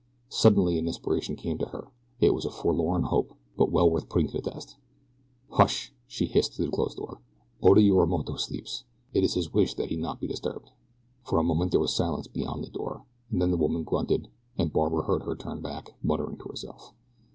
Suddenly an inspiration came to her. It was a forlorn hope, but well worth putting to the test. "Hush!" she hissed through the closed door. "Oda Yorimoto sleeps. It is his wish that he be not disturbed." For a moment there was silence beyond the door, and then the woman grunted, and Barbara heard her turn back, muttering to herself.